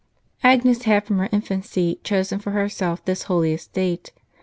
Agnes had from her infancy chosen for herself this holiest state.